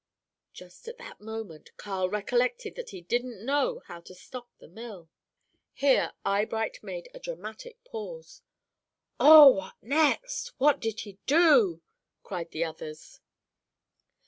"Just at that moment Carl recollected that he didn't know how to stop the Mill." Here Eyebright made a dramatic pause. "Oh, what next? What did he do?" cried the others.